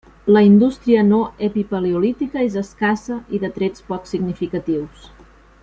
La indústria no epipaleolítica és escassa i de trets poc significatius.